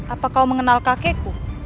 apa kau mengenal kakekku